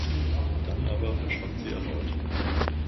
Dann aber verschwand sie erneut.